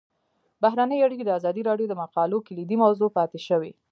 بهرنۍ اړیکې د ازادي راډیو د مقالو کلیدي موضوع پاتې شوی.